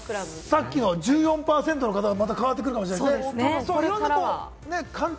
さっきの１４％の方も変わってくるかもしれないね。